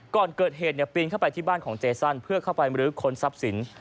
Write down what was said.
ก่อนเกิดเหตุปีนเข้าไปที่บ้านของเจสันเพื่อเข้าไปมรื้อค้นทรัพย์สิน